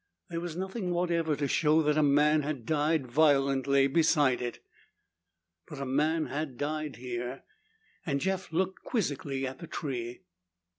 There was nothing whatever to show that a man had died violently beside it. But a man had died here, and Jeff looked quizzically at the tree.